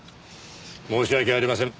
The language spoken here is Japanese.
申し訳ありません。